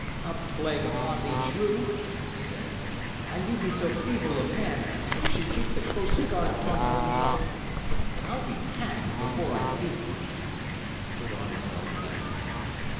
"A plague upon thee, shrew!" he said. "An ye be so feeble of hand, ye should keep the closer guard upon your tongue. But I'll be hanged before I beat you!" and he put on his belt again.